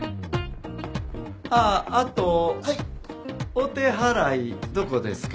お手はらいどこですか？